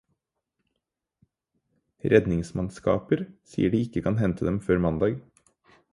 Redningsmannskaper sier de ikke kan hente dem før mandag.